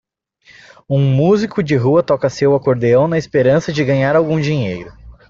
Um músico de rua toca seu acordeão na esperança de ganhar algum dinheiro.